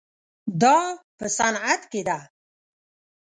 دا په صنعت کې ده.